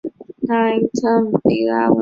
殿试登进士第三甲第一百五十名。